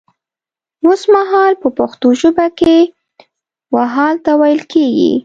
وسمهال په پښتو ژبه کې و حال ته ويل کيږي